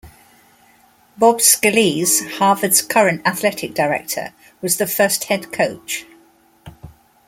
Bob Scalise, Harvard's current athletic director, was the first head coach.